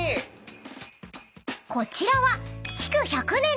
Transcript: ［こちらは］